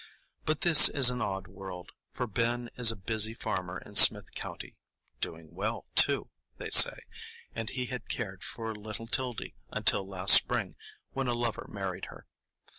But this is an odd world; for Ben is a busy farmer in Smith County, "doing well, too," they say, and he had cared for little 'Tildy until last spring, when a lover married her.